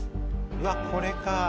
うわっこれか。